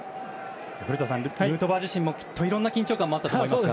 古田さん、ヌートバー自身もいろんな緊張感もあったと思いますが。